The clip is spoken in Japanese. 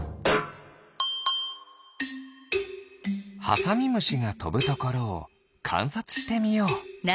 ハサミムシがとぶところをかんさつしてみよう。